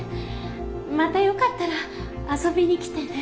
またよかったらあそびに来てね。